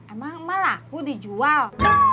emang emak laku dijual